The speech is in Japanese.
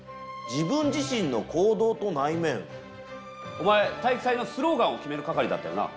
お前体育祭のスローガンを決める係だったよな？